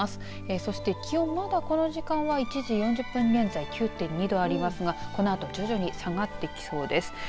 そして気温はまだこの時間は１時４０分現在９．２度ありますがこのあと徐々に下がってきそうです。